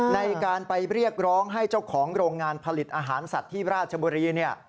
ในการไปเรียกร้องให้เจ้าของโรงงานผลิตอาหารสัตว์ที่ราชบุรี